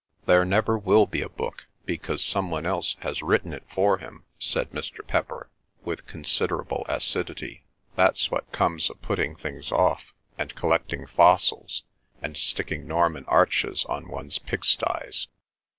"There never will be a book, because some one else has written it for him," said Mr. Pepper with considerable acidity. "That's what comes of putting things off, and collecting fossils, and sticking Norman arches on one's pigsties."